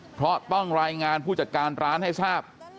เพราะต้องรายงานผู้จัดการร้านให้ทราบ